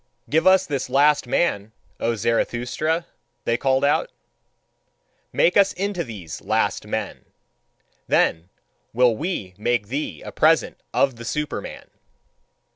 "Give us this last man, O Zarathustra," they called out "make us into these last men! Then will we make thee a present of the Superman!"